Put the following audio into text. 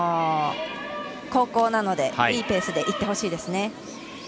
後攻なので、いいペースで行ってほしいです。